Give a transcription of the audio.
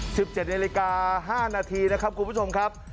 ๑๗นาฬิกา๕นาทีนะครับคุณผู้ชมครับ